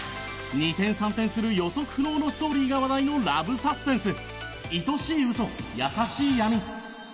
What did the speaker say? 二転三転する予測不能のストーリーが話題のラブサスペンス『愛しい嘘優しい闇』。